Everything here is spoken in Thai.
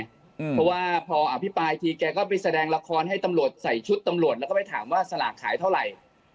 เพราะว่าพออภิปรายทีแกก็ไปแสดงละครให้ตำรวจใส่ชุดตำรวจแล้วก็ไปถามว่าสลากขายเท่าไหร่